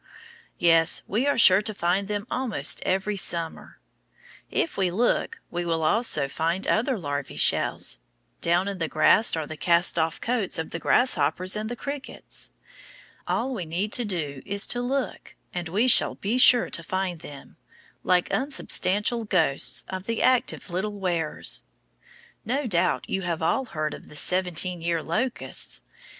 Yes, we are sure to find them almost every summer. If we look, we will also find other larvæ shells. Down in the grass are the cast off coats of the grasshoppers and the crickets. All we need do is to look, and we shall be sure to find them like unsubstantial ghosts of the active little wearers. No doubt you all have heard of the seventeen year locusts.